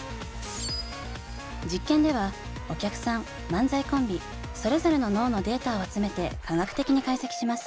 実験ではお客さん漫才コンビそれぞれの脳のデータを集めて科学的に解析します。